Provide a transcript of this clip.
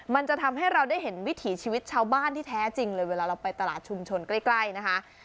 มันจะทำให้เราได้เห็นวิถีชีวิตชาวบ้านที่แท้จริงเลยเวลาเราไปตลาดชุมชนใกล้นะคะ